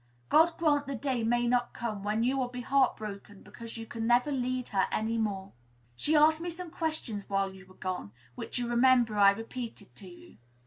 God grant the day may not come when you will be heart broken because you can never lead her any more! She asked me some questions, while you were gone, which you remember I repeated to you.